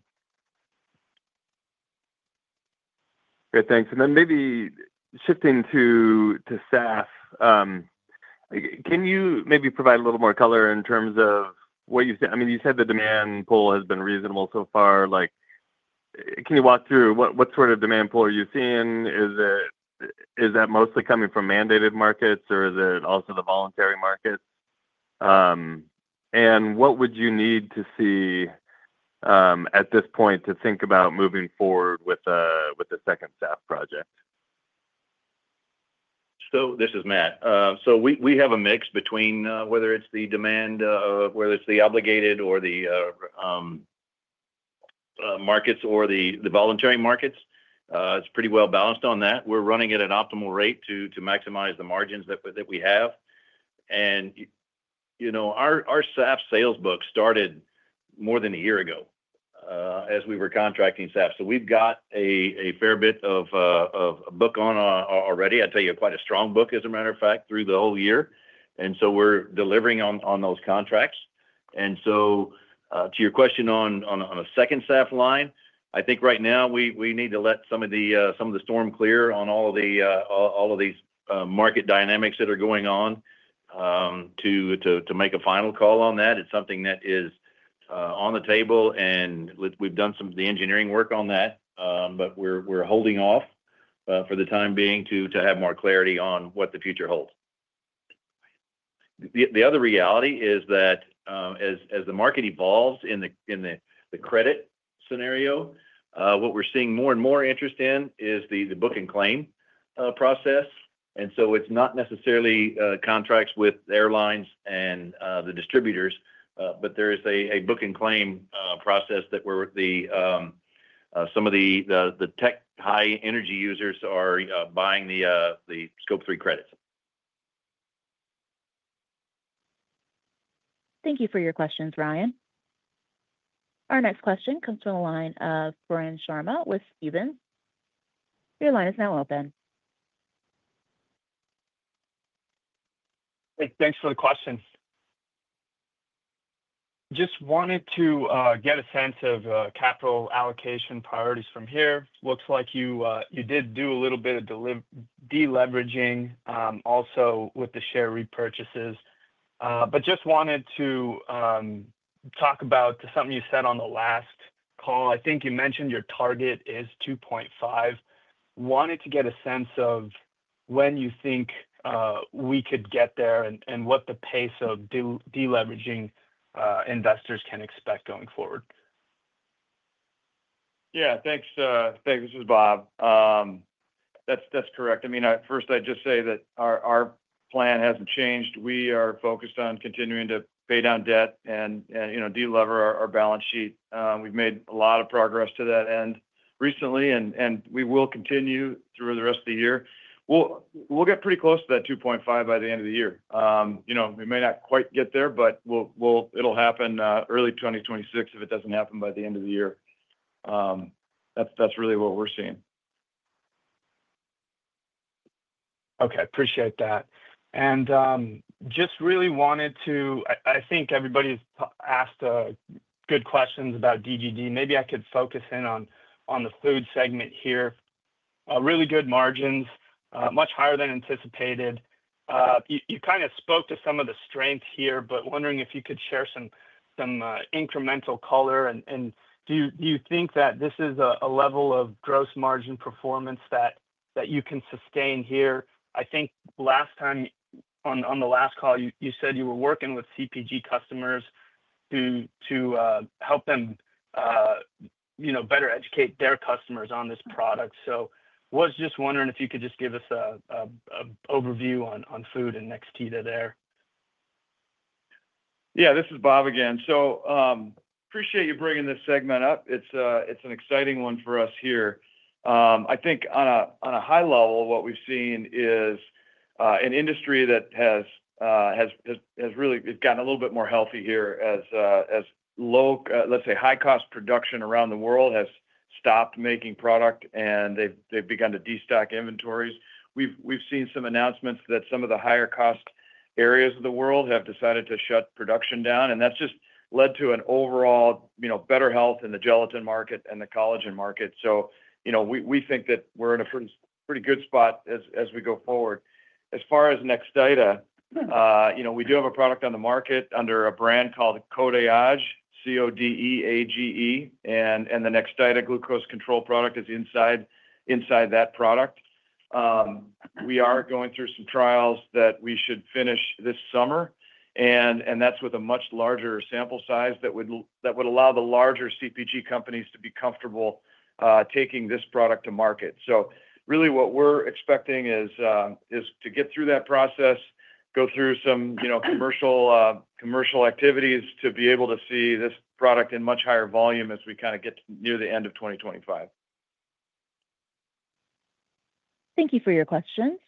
Great. Thanks. Maybe shifting to SAF, can you maybe provide a little more color in terms of what you said? I mean, you said the demand pool has been reasonable so far. Can you walk through what sort of demand pool are you seeing? Is that mostly coming from mandated markets, or is it also the voluntary markets? What would you need to see at this point to think about moving forward with the second SAF project? This is Matt. We have a mix between whether it is the demand, whether it is the obligated or the markets or the voluntary markets. It is pretty well balanced on that. We are running at an optimal rate to maximize the margins that we have. Our SAF sales book started more than a year ago as we were contracting SAF. We have got a fair bit of a book on already. I tell you, quite a strong book as a matter of fact through the whole year. We are delivering on those contracts. To your question on a second SAF line, I think right now we need to let some of the storm clear on all of these market dynamics that are going on to make a final call on that. It's something that is on the table, and we've done some of the engineering work on that, but we're holding off for the time being to have more clarity on what the future holds. The other reality is that as the market evolves in the credit scenario, what we're seeing more and more interest in is the book and claim process. It's not necessarily contracts with airlines and the distributors, but there is a book and claim process that some of the tech high energy users are buying the scope three credits. Thank you for your questions, Ryan. Our next question comes from the line of Pooran Sharma with Stephens Inc. Your line is now open. Thanks for the question. Just wanted to get a sense of capital allocation priorities from here. Looks like you did do a little bit of deleveraging also with the share repurchases. Just wanted to talk about something you said on the last call. I think you mentioned your target is 2.5. Wanted to get a sense of when you think we could get there and what the pace of deleveraging investors can expect going forward. Yeah. Thanks. This is Bob. That's correct. I mean, first, I'd just say that our plan hasn't changed. We are focused on continuing to pay down debt and deleverage our balance sheet. We've made a lot of progress to that end recently, and we will continue through the rest of the year. We'll get pretty close to that 2.5 by the end of the year. We may not quite get there, but it'll happen early 2026 if it doesn't happen by the end of the year. That's really what we're seeing. Okay. Appreciate that. I think everybody's asked good questions about DGD. Maybe I could focus in on the Food Segment here. Really good margins, much higher than anticipated. You kind of spoke to some of the strengths here, but wondering if you could share some incremental color. Do you think that this is a level of gross margin performance that you can sustain here? I think last time on the last call, you said you were working with CPG customers to help them better educate their customers on this product. I was just wondering if you could just give us an overview on food and next tier there. Yeah. This is Bob again. Appreciate you bringing this segment up. It's an exciting one for us here. I think on a high level, what we've seen is an industry that has really gotten a little bit more healthy here as, let's say, high-cost production around the world has stopped making product, and they've begun to destock inventories. We've seen some announcements that some of the higher-cost areas of the world have decided to shut production down. That has just led to an overall better health in the gelatin market and the collagen market. We think that we're in a pretty good spot as we go forward. As far as NexTIDA, we do have a product on the market under a brand called Codeage, C-O-D-E-A-G-E. The NexTIDA glucose control product is inside that product. We are going through some trials that we should finish this summer. That is with a much larger sample size that would allow the larger CPG companies to be comfortable taking this product to market. Really what we are expecting is to get through that process, go through some commercial activities to be able to see this product in much higher volume as we kind of get near the end of 2025. Thank you for your questions.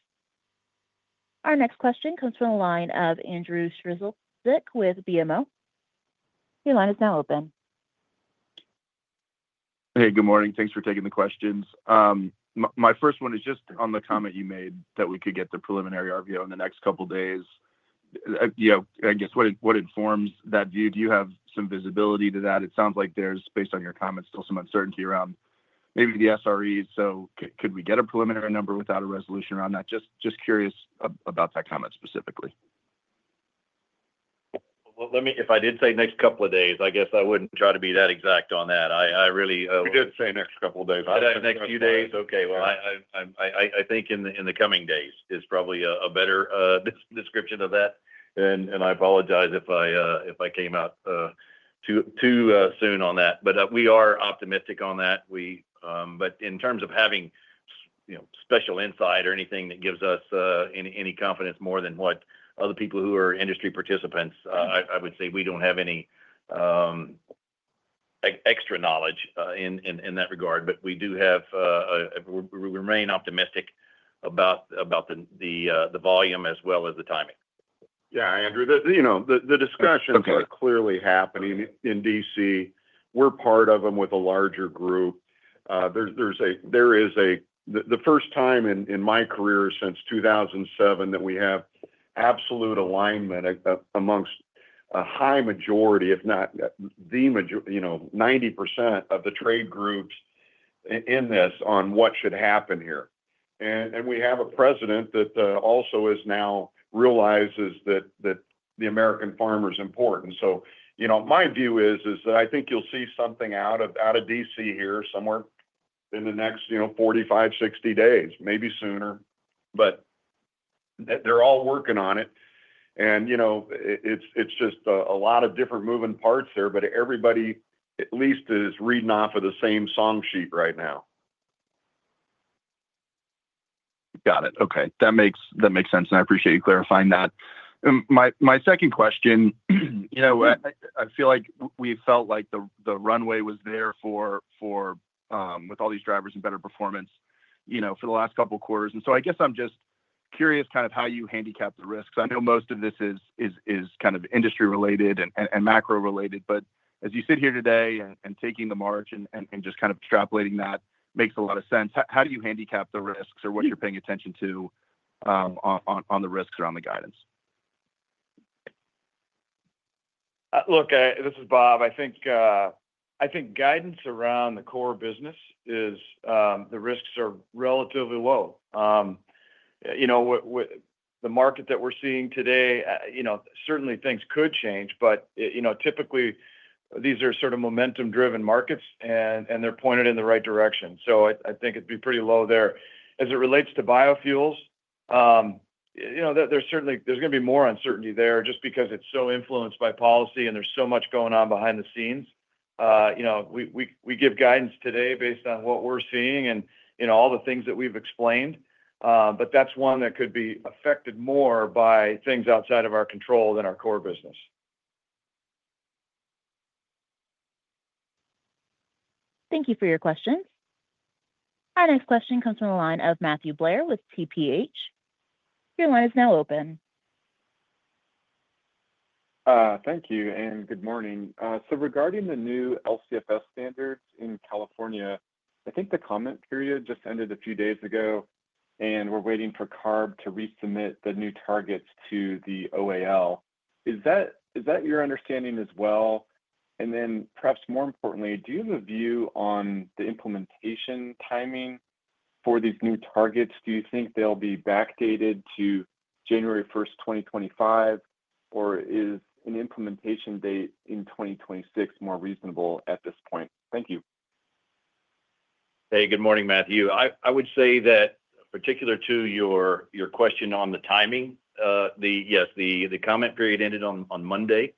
Our next question comes from the line of Andrew Strelzik with BMO. Your line is now open. Hey, good morning. Thanks for taking the questions. My first one is just on the comment you made that we could get the preliminary RVO in the next couple of days. I guess what informs that view? Do you have some visibility to that? It sounds like there's, based on your comments, still some uncertainty around maybe the SRE. Could we get a preliminary number without a resolution around that? Just curious about that comment specifically. If I did say next couple of days, I guess I wouldn't try to be that exact on that. I really. You didn't say next couple of days. I'd say next few days. Okay. I think in the coming days is probably a better description of that. I apologize if I came out too soon on that. We are optimistic on that. In terms of having special insight or anything that gives us any confidence more than what other people who are industry participants, I would say we do not have any extra knowledge in that regard. We do have, we remain optimistic about the volume as well as the timing. Yeah, Andrew. The discussions are clearly happening in D.C. We're part of them with a larger group. This is the first time in my career since 2007 that we have absolute alignment amongst a high majority, if not the majority, 90% of the trade groups in this on what should happen here. We have a president that also now realizes that the American farmer is important. My view is that I think you'll see something out of D.C. here somewhere in the next 45-60 days, maybe sooner. They're all working on it. It's just a lot of different moving parts there, but everybody at least is reading off of the same song sheet right now. Got it. Okay. That makes sense. I appreciate you clarifying that. My second question, I feel like we felt like the runway was there with all these drivers and better performance for the last couple of quarters. I guess I'm just curious kind of how you handicap the risks. I know most of this is kind of industry-related and macro-related. As you sit here today and taking the march and just kind of extrapolating that makes a lot of sense. How do you handicap the risks or what you're paying attention to on the risks around the guidance? Look, this is Bob. I think guidance around the core business is the risks are relatively low. The market that we're seeing today, certainly things could change. Typically, these are sort of momentum-driven markets, and they're pointed in the right direction. I think it'd be pretty low there. As it relates to biofuels, there's going to be more uncertainty there just because it's so influenced by policy and there's so much going on behind the scenes. We give guidance today based on what we're seeing and all the things that we've explained. That's one that could be affected more by things outside of our control than our core business. Thank you for your questions. Our next question comes from the line of Matthew Blair with TPH. Your line is now open. Thank you. Good morning. Regarding the new LCFS standards in California, I think the comment period just ended a few days ago, and we're waiting for CARB to resubmit the new targets to the OAL. Is that your understanding as well? Perhaps more importantly, do you have a view on the implementation timing for these new targets? Do you think they'll be backdated to January 1, 2025, or is an implementation date in 2026 more reasonable at this point? Thank you. Hey, good morning, Matthew. I would say that particular to your question on the timing, yes, the comment period ended on Monday.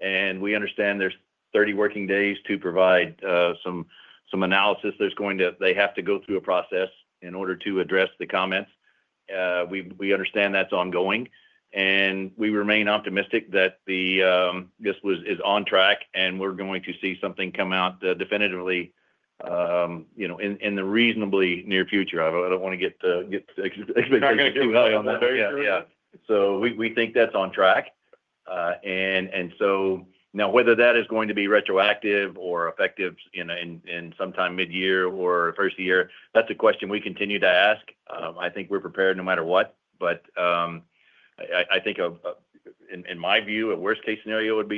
We understand there's 30 working days to provide some analysis. They have to go through a process in order to address the comments. We understand that's ongoing. We remain optimistic that this is on track, and we're going to see something come out definitively in the reasonably near future. I don't want to get too high on that. We think that's on track. Now, whether that is going to be retroactive or effective sometime mid-year or first year, that's a question we continue to ask. I think we're prepared no matter what. I think in my view, a worst-case scenario would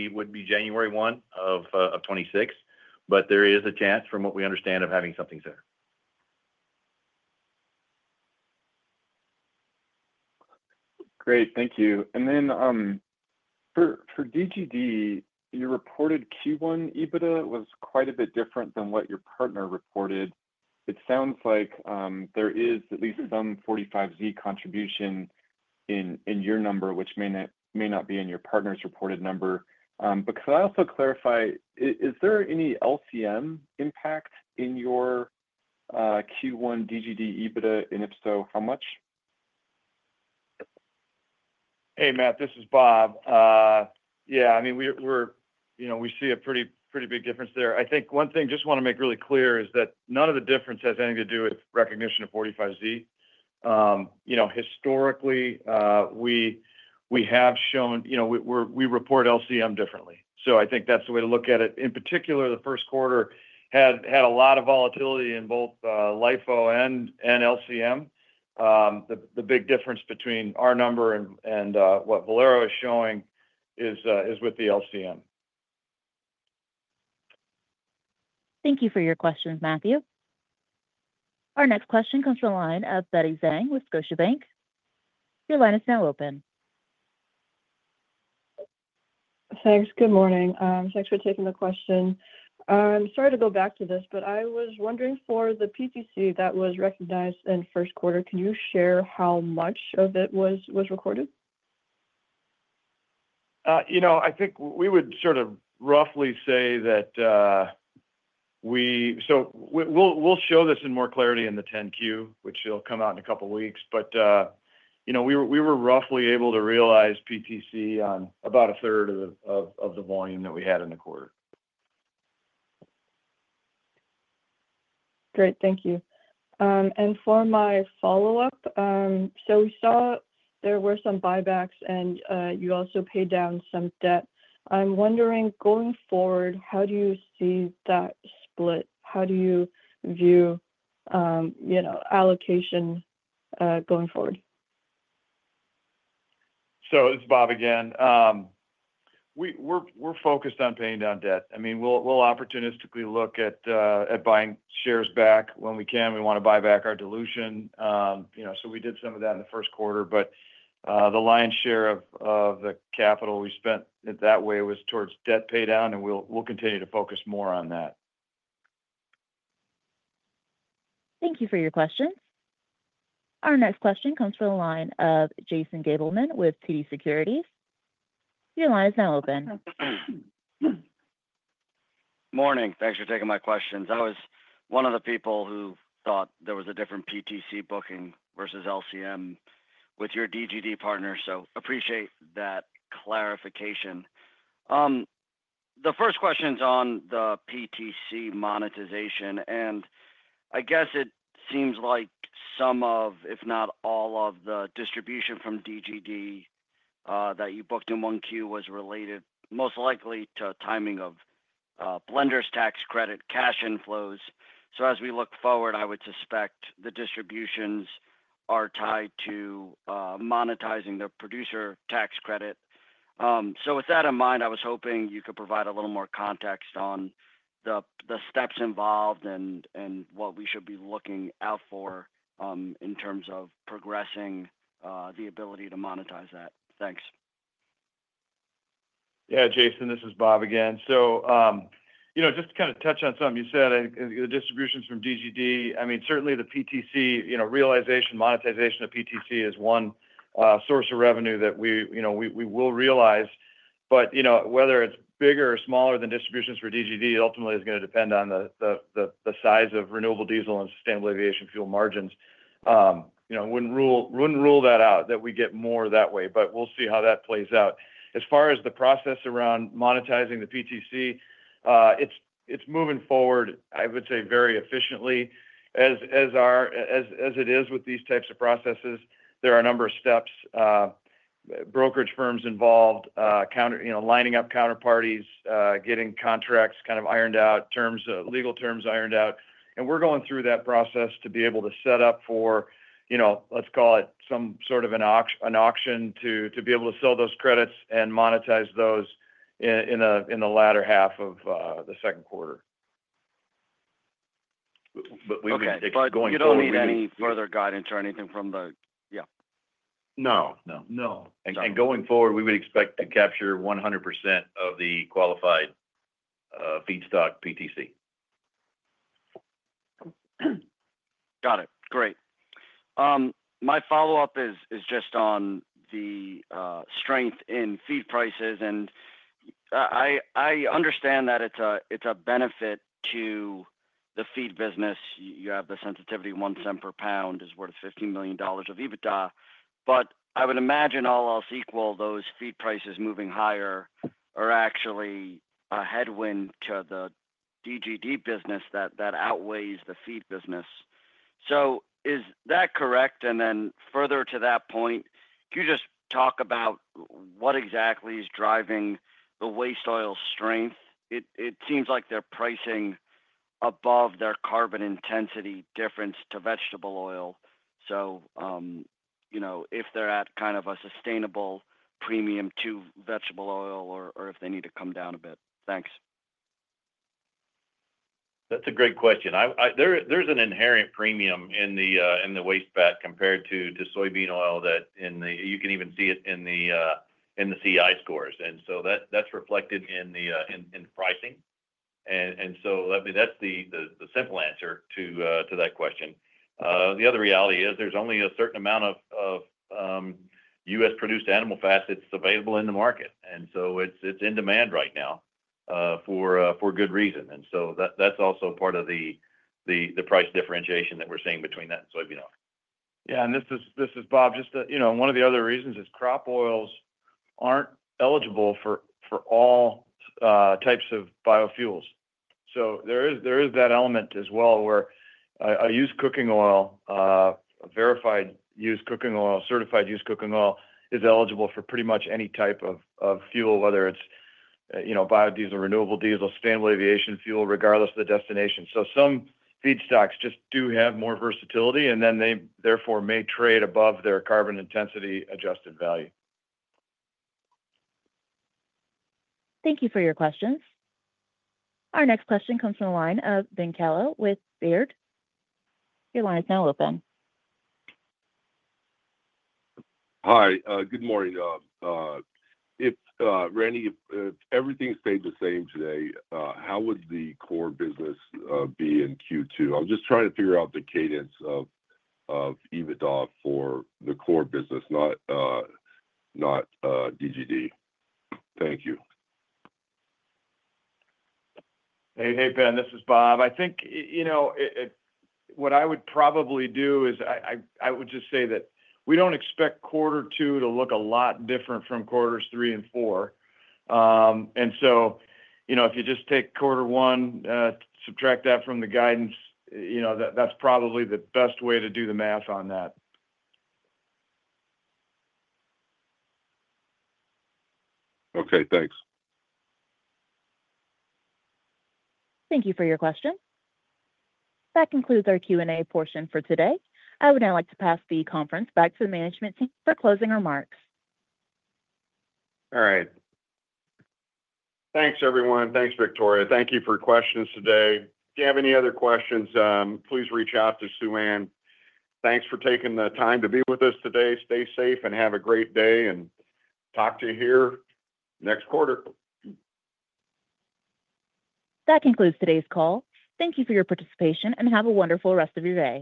be January 1 of 2026. There is a chance from what we understand of having something there. Great. Thank you. For DGD, your reported Q1 EBITDA was quite a bit different than what your partner reported. It sounds like there is at least some 45Z contribution in your number, which may not be in your partner's reported number. Could I also clarify, is there any LCM impact in your Q1 DGD EBITDA? If so, how much? Hey, Matt, this is Bob. Yeah. I mean, we see a pretty big difference there. I think one thing I just want to make really clear is that none of the difference has anything to do with recognition of 45Z. Historically, we have shown we report LCM differently. I think that's the way to look at it. In particular, the first quarter had a lot of volatility in both LIFO and LCM. The big difference between our number and what Valero is showing is with the LCM. Thank you for your questions, Matthew. Our next question comes from the line of Betty Zhang with Scotiabank. Your line is now open. Thanks. Good morning. Thanks for taking the question. Sorry to go back to this, but I was wondering for the PTC that was recognized in first quarter, can you share how much of it was recorded? I think we would sort of roughly say that we so we'll show this in more clarity in the 10-Q, which will come out in a couple of weeks. But we were roughly able to realize PTC on about a third of the volume that we had in the quarter. Great. Thank you. For my follow-up, we saw there were some buybacks, and you also paid down some debt. I am wondering, going forward, how do you see that split? How do you view allocation going forward? This is Bob again. We're focused on paying down debt. I mean, we'll opportunistically look at buying shares back when we can. We want to buy back our dilution. We did some of that in the first quarter. The lion's share of the capital we spent that way was towards debt paydown, and we'll continue to focus more on that. Thank you for your questions. Our next question comes from the line of Jason Gabelman with TD Securities. Your line is now open. Morning. Thanks for taking my questions. I was one of the people who thought there was a different PTC booking versus LCM with your DGD partner. Appreciate that clarification. The first question's on the PTC monetization. I guess it seems like some of, if not all of the distribution from DGD that you booked in Q1 was related most likely to timing of Blender's Tax Credit cash inflows. As we look forward, I would suspect the distributions are tied to monetizing the Producer Tax Credit. With that in mind, I was hoping you could provide a little more context on the steps involved and what we should be looking out for in terms of progressing the ability to monetize that. Thanks. Yeah, Jason, this is Bob again. Just to kind of touch on something you said, the distributions from DGD, I mean, certainly the PTC realization, monetization of PTC is one source of revenue that we will realize. Whether it is bigger or smaller than distributions for DGD, it ultimately is going to depend on the size of renewable diesel and sustainable aviation fuel margins. We would not rule that out that we get more that way, but we will see how that plays out. As far as the process around monetizing the PTC, it is moving forward, I would say, very efficiently as it is with these types of processes. There are a number of steps, brokerage firms involved, lining up counterparties, getting contracts kind of ironed out, legal terms ironed out. We're going through that process to be able to set up for, let's call it, some sort of an auction to be able to sell those credits and monetize those in the latter half of the second quarter. We would expect going forward. Okay. You don't need any further guidance or anything from the yeah. No. No. No. Going forward, we would expect to capture 100% of the qualified feedstock PTC. Got it. Great. My follow-up is just on the strength in feed prices. I understand that it's a benefit to the feed business. You have the sensitivity of one cent per pound is worth $15 million of EBITDA. I would imagine all else equal, those feed prices moving higher are actually a headwind to the DGD business that outweighs the feed business. Is that correct? Further to that point, can you just talk about what exactly is driving the waste oil strength? It seems like they're pricing above their carbon intensity difference to vegetable oil. If they're at kind of a sustainable premium to vegetable oil or if they need to come down a bit. Thanks. That's a great question. There's an inherent premium in the waste fat compared to soybean oil that you can even see in the CI scores. That's reflected in the pricing. That's the simple answer to that question. The other reality is there's only a certain amount of U.S.-produced animal fat that's available in the market. It's in demand right now for good reason. That's also part of the price differentiation that we're seeing between that and soybean oil. Yeah. This is Bob. Just one of the other reasons is crop oils are not eligible for all types of biofuels. There is that element as well where a used cooking oil, a verified used cooking oil, certified used cooking oil is eligible for pretty much any type of fuel, whether it is biodiesel, renewable diesel, sustainable aviation fuel, regardless of the destination. Some feedstocks just do have more versatility, and they therefore may trade above their carbon intensity adjusted value. Thank you for your questions. Our next question comes from the line of Ben Kallo with Baird. Your line is now open. Hi. Good morning. Randy, if everything stayed the same today, how would the core business be in Q2? I'm just trying to figure out the cadence of EBITDA for the core business, not DGD. Thank you. Hey, Ben. This is Bob. I think what I would probably do is I would just say that we don't expect quarter two to look a lot different from quarters three and four. If you just take quarter one, subtract that from the guidance, that's probably the best way to do the math on that. Okay. Thanks. Thank you for your question. That concludes our Q&A portion for today. I would now like to pass the conference back to the management team for closing remarks. All right. Thanks, everyone. Thanks, Victoria. Thank you for your questions today. If you have any other questions, please reach out to Suann. Thanks for taking the time to be with us today. Stay safe and have a great day and talk to you here next quarter. That concludes today's call. Thank you for your participation and have a wonderful rest of your day.